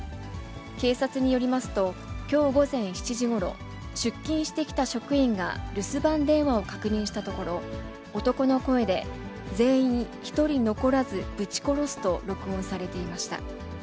警察によりますと、きょう午前７時ごろ、出勤してきた職員が留守番電話を確認したところ、男の声で、全員一人残らずぶち殺すと録音されていました。